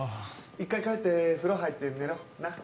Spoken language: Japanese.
１回帰って風呂入って寝ろなっ。